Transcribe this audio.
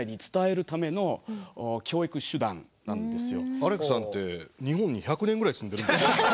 アレックさんって日本に１００年ぐらい住んでるんですか？